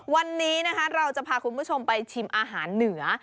วันนี้นะคะเราจะพาคุณผู้ชมไปชิมอาหารเหนือ